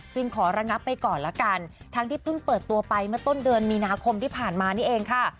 ขอระงับไปก่อนละกันทั้งที่เพิ่งเปิดตัวไปเมื่อต้นเดือนมีนาคมที่ผ่านมานี่เองค่ะ